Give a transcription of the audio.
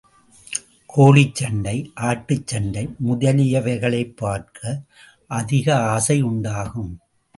கோழிச்சண்டை, ஆட்டுச்சண்டை முதலியவைகளைப் பார்க்க அதிக ஆசை உண்டாகும்.